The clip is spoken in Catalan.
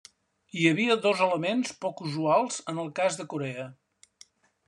Hi havia dos elements poc usuals en el cas de Corea.